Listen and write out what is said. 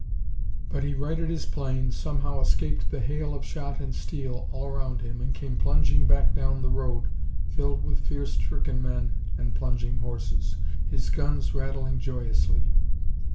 But he righted his plane, somehow escaped the hail of shot and steel all around him and came plunging back down the road filled with fear stricken men and plunging horses, his guns rattling joyously.